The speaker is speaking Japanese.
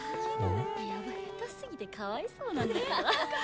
やば下手すぎてかわいそうなんだけど。